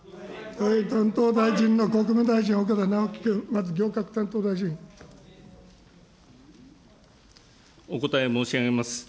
担当大臣の国務大臣、岡田直樹君、お答え申し上げます。